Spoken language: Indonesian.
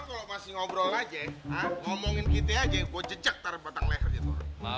ngomongin gitu aja gue jejak tar batang leher itu orang masih ngobrol aja ngomongin gitu aja gue jejak tar batang leher gitu orang